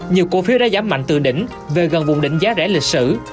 nhiều cổ phiếu đã giảm mạnh từ đỉnh về gần vùng định giá rẻ lịch sử